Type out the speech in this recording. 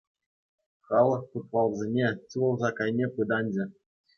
Халӑх путвалсене, чул сак айне пытанатчӗ.